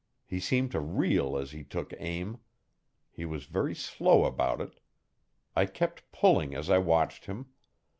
He seemed to reel as he took aim. He was very slow about it. I kept pulling as I watched him.